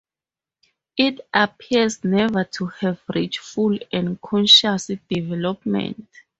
It appears never to have reached full and conscious development.